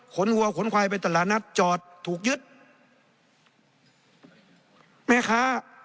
ขนหัวขนควายไปตลาดนัดจอดถูกยึดมาขา